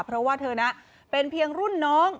เพราะว่าเธอนะเป็นเพียงรุ่นน้อง